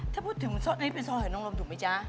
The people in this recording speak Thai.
ถ้าพูดถึงซอสนี่เป็นซอสหอยนองลมถูกไหมจ๊ะ